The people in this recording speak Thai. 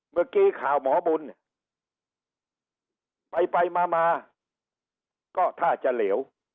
เมื่อกี้ข่าวหมอบุญไปไปมามาก็ท่าจะเหลว